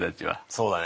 そうだね。